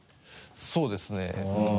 そうですねうん。